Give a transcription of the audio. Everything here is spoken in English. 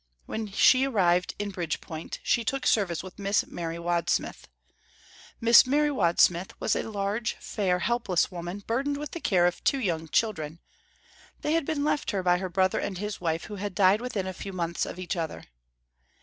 When she arrived in Bridgepoint, she took service with Miss Mary Wadsmith. Miss Mary Wadsmith was a large, fair, helpless woman, burdened with the care of two young children. They had been left her by her brother and his wife who had died within a few months of each other.